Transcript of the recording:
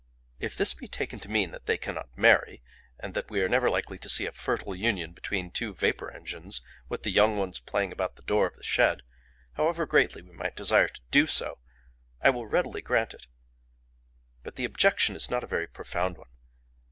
If this be taken to mean that they cannot marry, and that we are never likely to see a fertile union between two vapour engines with the young ones playing about the door of the shed, however greatly we might desire to do so, I will readily grant it. But the objection is not a very profound one.